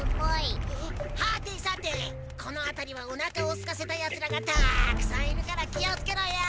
はてさてこのあたりはおなかをすかせたヤツらがたくさんいるからきをつけろよ。